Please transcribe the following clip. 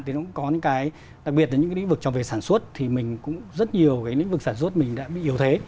thì nó cũng có những cái đặc biệt là những cái lĩnh vực trò về sản xuất thì mình cũng rất nhiều cái lĩnh vực sản xuất mình đã bị yếu thế